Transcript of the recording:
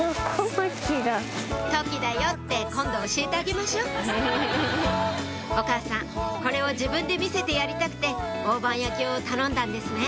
「とき」だよって今度教えてあげましょうお母さんこれを自分で見せてやりたくて大判焼きを頼んだんですね